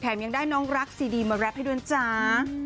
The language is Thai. ยังได้น้องรักซีดีมาแรปให้ด้วยจ้า